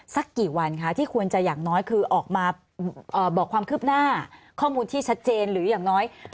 สักกี่วันคะที่ควรจะอย่างน้อยคือออกมาบอกความคืบหน้าข้อมูลที่ชัดเจนหรืออย่างน้อย